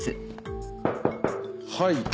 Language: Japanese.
はい。